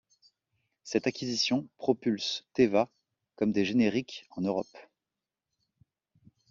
Cette acquisition propulse Teva comme des génériques en Europe.